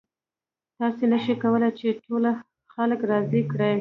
تاسې نشئ کولی چې ټول خلک راضي کړئ.